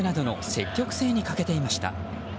積極性に欠けていました。